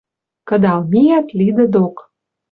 Кыдал миӓт лидӹ док.